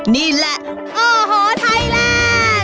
นี่แหละอ้อฮอล์ไทยแลนด์